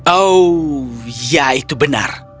oh ya itu benar